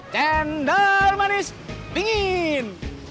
jendol manis dingin